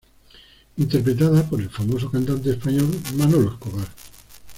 Interpretada por el famoso cantante español Manolo Escobar.